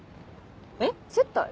えっ接待？